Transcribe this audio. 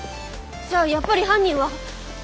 じゃあやっぱり犯人は。